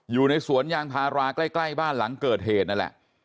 อยู่ในสวนยางพาราใกล้บ้านหลังเกิดเหตุนั่นแหละ